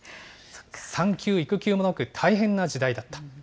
産休・育休もなく、大変な時代だった。